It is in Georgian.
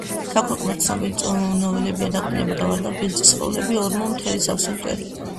საქვეყნოდ ცნობილი ნოველებია: „დაკნინება და ვარდნა“, „ბილწი სხეულები“, ორმო, „მთელი სავსე მტვერი“.